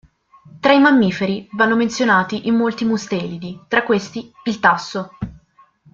Tra i mammiferi vanno menzionati i molti mustelidi; tra questi il tasso.